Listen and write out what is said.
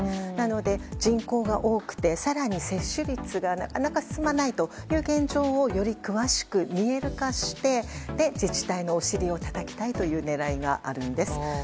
なので、人口が多くて更に接種率がなかなか進まない現状をより詳しく見える化して自治体のお尻をたたきたいという狙いがあるんです。